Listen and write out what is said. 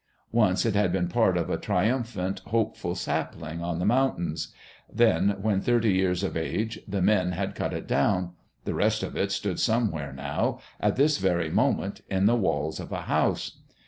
Once it had been part of a triumphant, hopeful sapling on the mountains; then, when thirty years of age, the men had cut it down; the rest of it stood somewhere now, at this very moment, in the walls of the house.